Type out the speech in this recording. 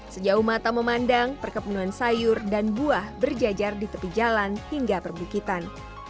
sejauh mata memandang perkepenuhan sayur dan buah berjajar di tepi jalan hingga perbukitan